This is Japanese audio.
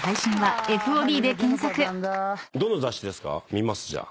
見ますじゃあ。